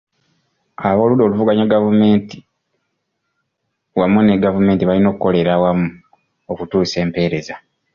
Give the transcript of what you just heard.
Ab'oludda oluvuganya gavumenti wamu ne gavumenti balina okukolera awamu mu kutuusa empereza.